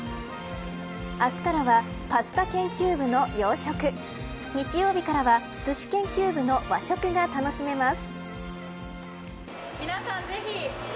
明日からはパスタ研究部の洋食日曜日からは、すし研究部の和食が楽しめます。